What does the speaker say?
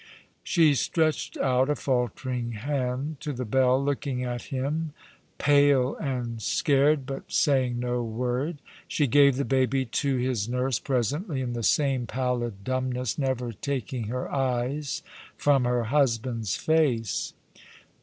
She stretched out a faltering hand to the bell, looking at him, pale and scared, but saying no word. She gave the baby to his nurse presently in the same pallid dumbness, never taking her eyes from her husband's face.